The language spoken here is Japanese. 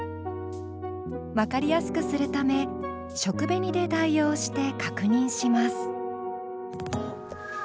分かりやすくするため食紅で代用して確認します。